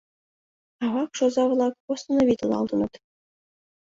А вакш оза-влак «восстановитлалтыныт».